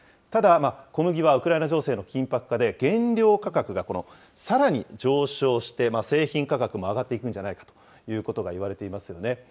ただ、小麦はウクライナ情勢の緊迫化で、原料価格がさらに上昇して、製品価格も上がっていくんじゃないかということがいわれていますよね。